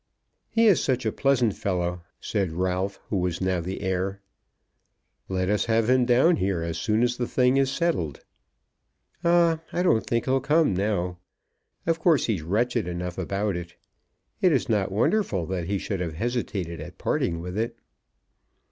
"He is such a pleasant fellow," said Ralph, who was now the heir. "Let us have him down here as soon as the thing is settled." "Ah; I don't think he'll come now. Of course he's wretched enough about it. It is not wonderful that he should have hesitated at parting with it."